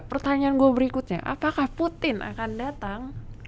pertanyaan gue berikutnya apakah putin akan datang